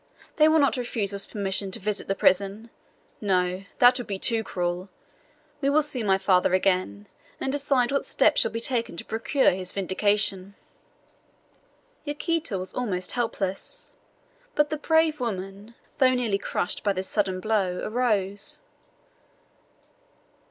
They will not refuse us permission to visit the prison. No! that would be too cruel. We will see my father again, and decide what steps shall be taken to procure his vindication." Yaquita was almost helpless, but the brave woman, though nearly crushed by this sudden blow, arose.